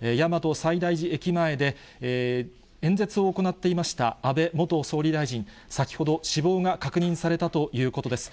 大和西大寺駅前で演説を行っていました安倍元総理大臣、先ほど、死亡が確認されたということです。